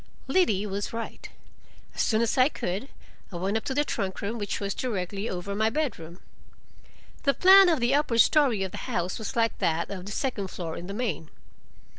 Liddy was right. As soon as I could, I went up to the trunk room, which was directly over my bedroom. The plan of the upper story of the house was like that of the second floor, in the main.